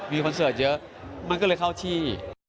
มีคอนเสิร์ตเยอะมันก็เลยเข้าที่